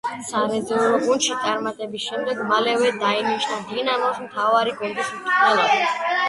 სარეზერვო გუნდში წარმატების შემდეგ მალევე დაინიშნა „დინამოს“ მთავარი გუნდის მწვრთნელად.